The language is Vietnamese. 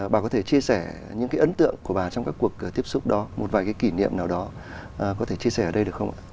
bà có thể chia sẻ những cái ấn tượng của bà trong các cuộc tiếp xúc đó một vài cái kỷ niệm nào đó có thể chia sẻ ở đây được không ạ